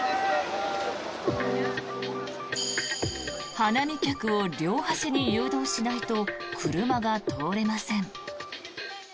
花見客を両端に誘導しないと車が通れません。